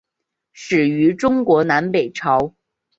始于中国南北朝。